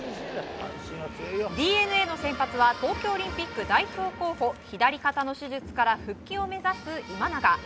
ＤｅＮＡの先発は東京オリンピック代表候補左肩の手術から復帰を目指す今永。